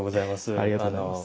ありがとうございます。